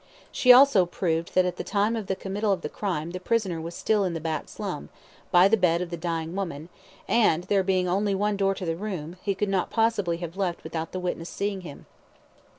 She also proved that at the time of the committal of the crime the prisoner was still in the back slum, by the bed of the dying woman, and, there being only one door to the room, he could not possibly have left without the witness seeing him.